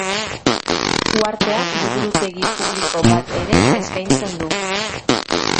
Uharteak liburutegi publiko bat ere eskaintzen du.